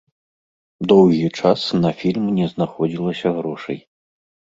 Доўгі час на фільм не знаходзілася грошай.